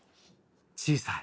小さい。